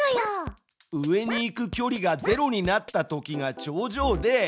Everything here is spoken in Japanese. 上に行く距離が０になったときが頂上で。